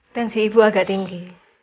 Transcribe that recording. tensi ibu agak tinggi